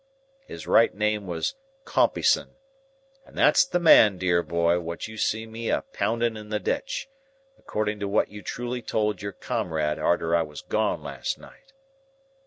His right name was Compeyson; and that's the man, dear boy, what you see me a pounding in the ditch, according to what you truly told your comrade arter I was gone last night.